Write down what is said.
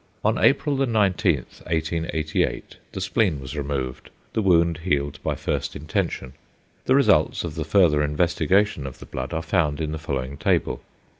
On April 19, 1888, the spleen was removed, the wound healed by first intention. The results of the further investigation of the blood are found in the following table.